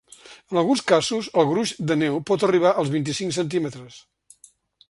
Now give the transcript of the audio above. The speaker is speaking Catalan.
En alguns casos, el gruix de neu pot arribar als vint-i-cinc centímetres.